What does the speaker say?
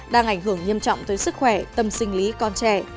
đang ảnh hưởng nghiêm trọng tới sức khỏe tâm sinh lý con trẻ